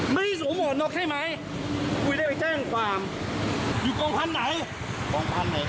ไม่ต้องไปถือสารไม่ต้องไปดูสติ๊กเกอร์ตัวข้างหน้า